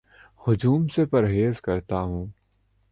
ہجوم سے پرہیز کرتا ہوں